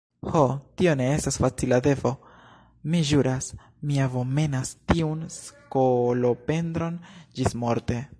Ho, tio ne estas facila devo, mi ĵuras: mi abomenas tiun skolopendron ĝismorte.